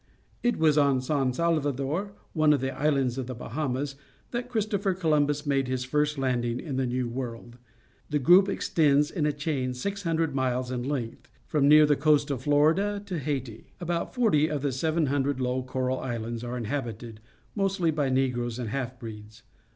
— It was on San Salvador, one of the islands of the Bahamas, that Christopher Columbus made his first landing in the New World. The group extends in a chain 600 miles in length, from near the coast of Florida to Haiti. About forty of the 700 low, coral islands are in habited, mostly by Negroes and half breeds.